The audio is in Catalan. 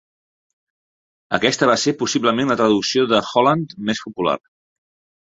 Aquesta va ser, possiblement, la traducció de Holland més popular.